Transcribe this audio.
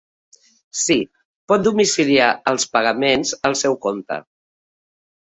Sí, pot domiciliar els pagaments al seu compte.